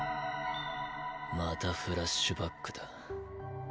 またフラッシュバックだ。